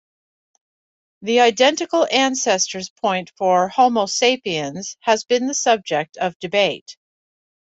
The identical ancestors point for "Homo sapiens" has been the subject of debate.